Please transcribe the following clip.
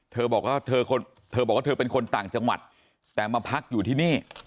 เธอบอกว่าเธอบอกว่าเธอเป็นคนต่างจังหวัดแต่มาพักอยู่ที่นี่